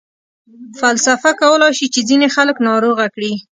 فلسفه کولای شي چې ځینې خلک ناروغه کړي.